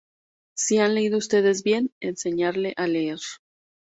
Sí, han leído ustedes bien: enseñarle a leer.